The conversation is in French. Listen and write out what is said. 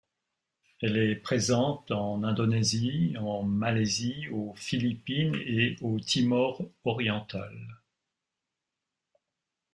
Elle est présente en Indonésie, en Malaisie, aux Philippines et au Timor oriental.